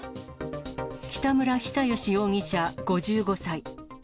北村比左嘉容疑者５５歳。